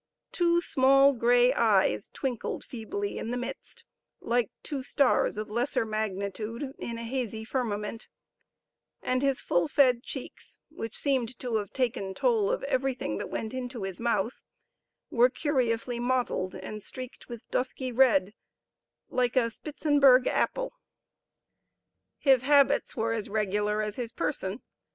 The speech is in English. Two small gray eyes twinkled feebly in the midst, like two stars of lesser magnitude in a hazy firmament; and his full fed cheeks, which seemed to have taken toll of everything that went into his mouth, were curiously mottled and streaked with dusky red, like a Spitzenberg apple. His habits were as regular as his person.